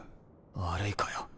悪いかよ。